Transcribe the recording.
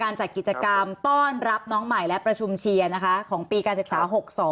จัดกิจกรรมต้อนรับน้องใหม่และประชุมเชียร์นะคะของปีการศึกษา๖๒